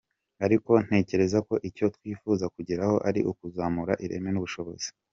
Ariko ntekereza ko icyo twifuza kugeraho ari ukuzamura ireme n’ubushobozi.